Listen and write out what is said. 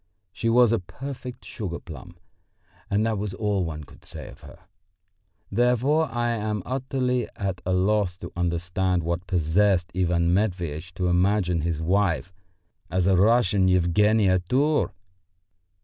She was a perfect sugar plum, and that was all one could say of her. Therefore I am utterly at a loss to understand what possessed Ivan Matveitch to imagine his wife as a Russian Yevgenia Tour?